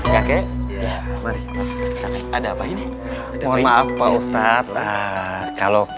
waalaikumsalam warahmatullahi wabarakatuh